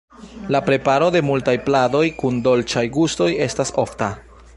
La preparo de multaj pladoj kun dolĉaj gustoj estas ofta.